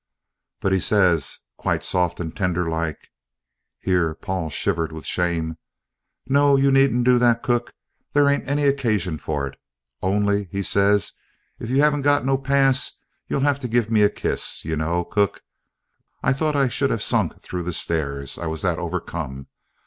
"But he says, quite soft and tender like," (here Paul shivered with shame), "'No, you needn't do that, cook, there ain't any occasion for it; only,' he says, 'if you haven't got no pass, you'll have to give me a kiss, you know, cook!' I thought I should have sunk through the stairs, I was that overcome.